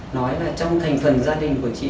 nói là trong thành phần gia đình của chị